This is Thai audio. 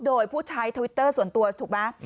โดยผู้ใช้ทวิตเตอร์ส่วนตัวถูกไหม